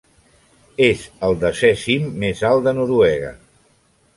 És el desè cim més alt de Noruega.